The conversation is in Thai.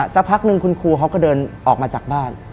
สักพักนึงคุณครูเขาก็เดินออกมาจากบ้าน